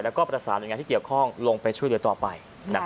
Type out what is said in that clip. แล้วก็ประสานหน่วยงานที่เกี่ยวข้องลงไปช่วยเหลือต่อไป